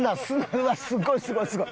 うわっすごいすごいすごい！